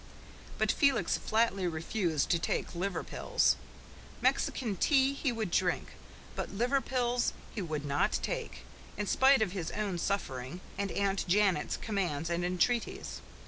But Felix flatly refused to take liver pills; Mexican Tea he would drink, but liver pills he would not take, in spite of his own suffering and Aunt Janet's commands and entreaties.